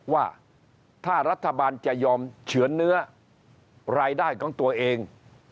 ว่าถ้ารัฐบาลจะยอมเฉือนเนื้อรายได้ของตัวเอง